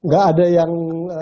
gak ada yang